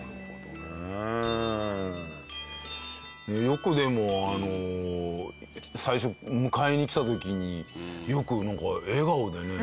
よくでもあの最初迎えに来た時によくなんか笑顔でね。